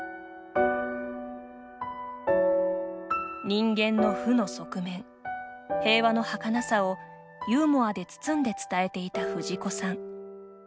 人間の負の側面平和のはかなさをユーモアで包んで伝えていた藤子さん。